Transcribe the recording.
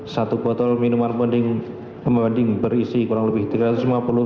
satu botol minuman pembanding berisi kurang lebih tiga ratus lima puluh